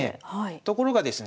ところがですね